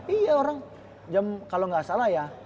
iya orang kalau nggak salah ya